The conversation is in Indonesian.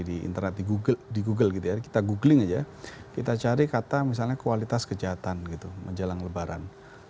di internet di google gitu ya kita googling aja kita cari kata misalnya kualitas kejahatan gitu menjelang lebaran